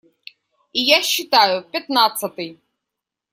И я считаю: пятнадцатый.